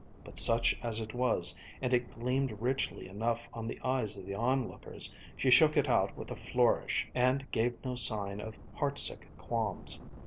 But such as it was, and it gleamed richly enough on the eyes of the onlookers, she shook it out with a flourish and gave no sign of heartsick qualms.